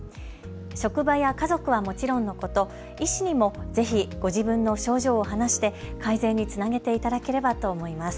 職場や家族はもちろんのこと医師にも、ぜひご自分の症状を話して改善につなげていただければと思います。